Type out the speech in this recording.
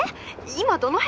今どの辺？